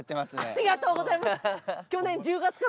ありがとうございます。